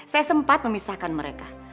saya sempat memisahkan mereka